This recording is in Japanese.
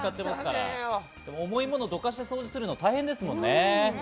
重いものをどかして掃除するの大変ですもんね。